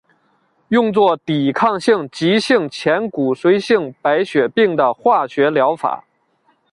用作抵抗性急性前骨髓性白血病的化学疗法。